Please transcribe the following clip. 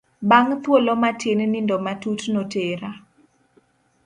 Bang' thuolo matin nindo matut notera.